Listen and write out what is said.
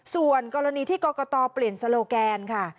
ส่วนกรณีที่กรกตเปลี่ยนโลแกนค่ะ